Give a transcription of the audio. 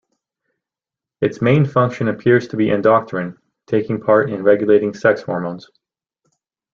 Its main function appears to be endocrine, taking part in regulating sex hormones.